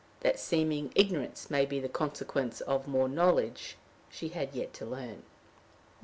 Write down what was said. That seeming ignorance may be the consequence of more knowledge, she had yet to learn.